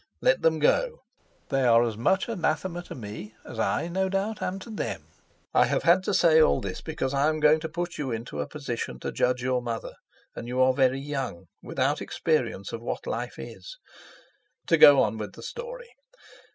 Let them go! They are as much anathema to me as I, no doubt, am to them. I have had to say all this, because I am going to put you into a position to judge your mother, and you are very young, without experience of what life is. To go on with the story.